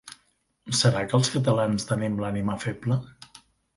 ¿Serà que els catalans tenim l'ànima feble?